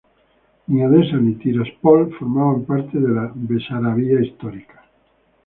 Ni Odesa ni Tiraspol formaban parte de la Besarabia histórica.